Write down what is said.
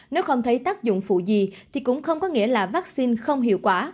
nếu không thấy tác dụng phụ gì thì cũng không có nghĩa là vaccine không hiệu quả